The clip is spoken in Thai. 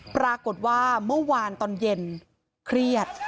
ปรากฏว่าเมื่อวานตอนเย็นเครียด